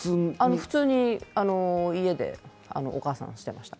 普通に家でお母さんをしてました。